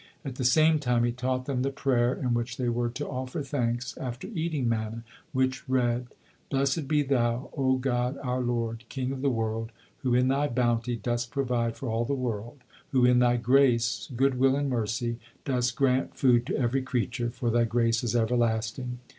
At the same time he taught them the prayer in which they were to offer thanks after eating manna, which read: "Blessed be Thou, O God our Lord, King of the world, who in Thy bounty, dost provide for all the world; who, in Thy grace, goodwill, and mercy, dost grant food to every creature, for Thy grace is everlasting.